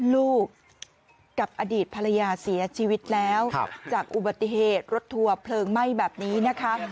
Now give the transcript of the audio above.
ลูกกับอดีตภรรยาเสียชีวิตแล้วจากอุบัติเหตุรถทัวร์เพลิงไหม้แบบนี้นะคะ